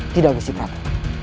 tidak mesti prabu